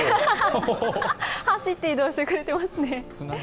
走って移動してくれていますね。